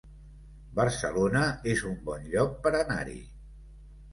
Barcelona es un bon lloc per anar-hi